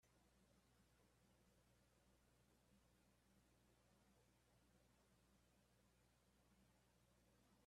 But who asked him?